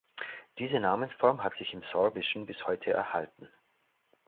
Diese Namensform hat sich im Sorbischen bis heute erhalten.